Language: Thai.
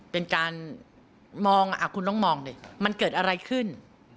เป็นการมองคุณต้องมองดิมันเกิดอะไรขึ้น